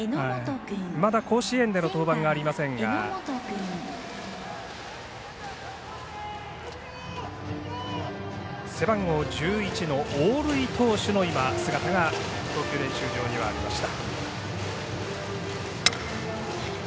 まだ甲子園での登板がありませんが背番号１１の大類投手の姿が投球練習場にありました。